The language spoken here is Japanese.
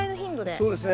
そうですね